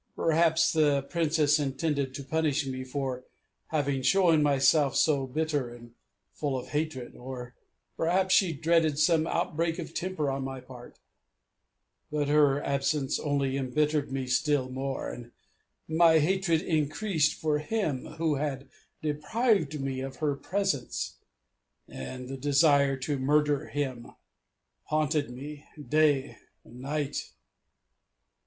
Perhaps the Princess intended to punish me for having shown myself so bitter and full of hatred, or perhaps she dreaded some outbreak of temper on my part; but her absence only embittered me still more, and my hatred increased for him who had deprived me of her presence, and the desire to murder him haunted me day and night.